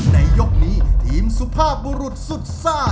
ในยกนี้ทีมสุภาพบุรุษสุดซ่า